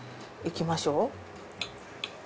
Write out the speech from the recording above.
いきましょう。